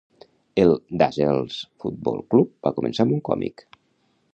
El Dazzlers Football Club va començar amb un còmic.